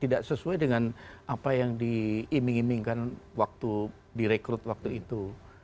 tidak sesuai dengan apa yang diiming imingkan waktu direkrut waktu itu